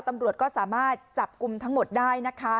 ตำรวจก็สามารถจับกลุ่มทั้งหมดได้นะคะ